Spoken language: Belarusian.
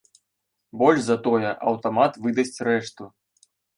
Больш за тое, аўтамат выдасць рэшту.